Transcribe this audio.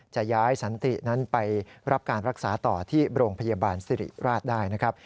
จะย้ายสันตินั้นไปรับการรักษาต่อที่โรงพยาบาลสิริราชได้นะครับ